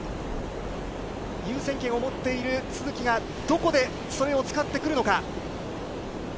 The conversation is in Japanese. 優先権を持っている都筑がどこでそれを使ってくるのか。